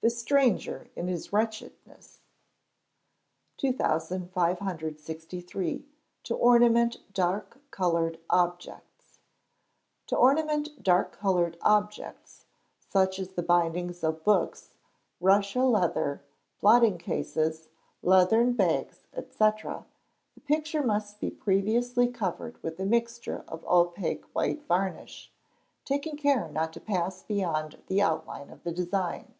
[THE STRANGER IN HIS WRETCHEDNESS...] 2563. To Ornament Dark coloured Objects. To ornament dark coloured objects, such as the bindings of books, Russia leather, blotting cases, leathern bags, &c., the picture must be previously covered with a mixture of opaque white varnish, taking care not to pass beyond the outline of the design.